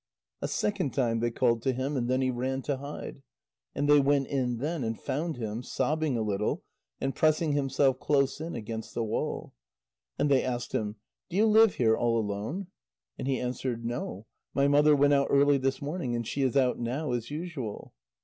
A second time they called to him, and then he ran to hide. And they went in then, and found him, sobbing a little, and pressing himself close in against the wall. And they asked him: "Do you live here all alone?" And he answered: "No, my mother went out early this morning, and she is out now, as usual."